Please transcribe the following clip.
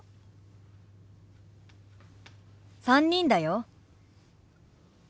３人だよ。